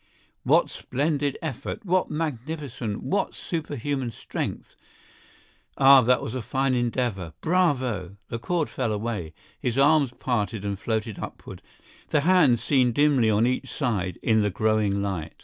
What splendid effort!—what magnificent, what superhuman strength! Ah, that was a fine endeavor! Bravo! The cord fell away; his arms parted and floated upward, the hands dimly seen on each side in the growing light.